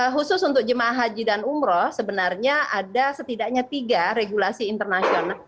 khusus untuk jemaah haji dan umroh sebenarnya ada setidaknya tiga regulasi internasional